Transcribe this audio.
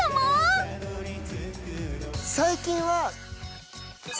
最近は。